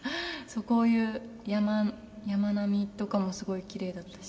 こういう山並みとかもすごいきれいだったし。